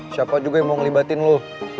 siapa juga yang mau ngelibatin lo